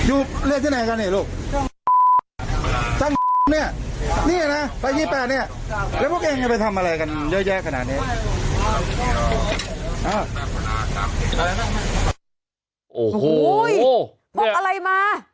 อุ้ยบอกอะไรมา